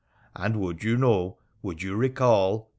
' And would you know, would you recall